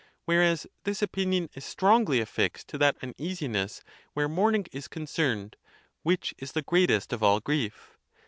Whereas this opinion is strongly affixed to that uneasiness where mourning is concerned, which is the greatest of all grief.